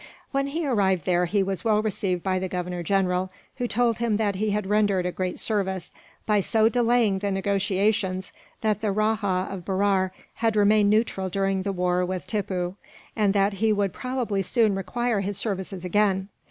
When he arrived there, he was well received by the Governor General, who told him that he had rendered a great service, by so delaying the negotiations that the Rajah of Berar had remained neutral during the war with Tippoo; and that he would probably soon require his services again.